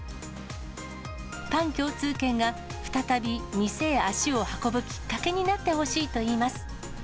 パン共通券が再び店へ足を運ぶきっかけになってほしいといいます。